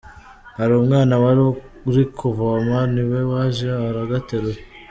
Hari umwana wari uri kuvoma ni we waje aragaterura.